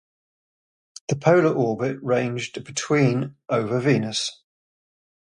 The polar orbit ranged between over Venus.